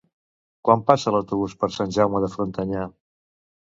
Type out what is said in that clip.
Quan passa l'autobús per Sant Jaume de Frontanyà?